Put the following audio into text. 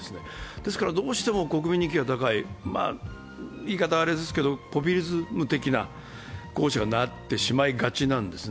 ですから、どうしても国民人気が高い、言い方はあれですけどポピュリズム的な候補者がなってしまいがちなんですね。